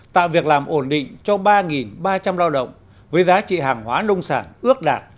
tạo việc làm ổn định cho ba ba trăm linh lao động với giá trị hàng hóa nông sản ước đạt